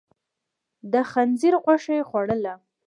د خنزير غوښه يې خوړله.